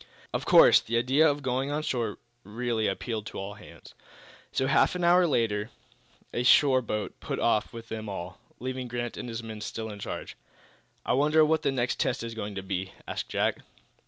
Of course, the idea of going on shore really appealed to all hands. So, half an hour later, a shore boat put off with them all, leaving Grant and his men still in charge. "I wonder what the next test is going to be?" asked Jack.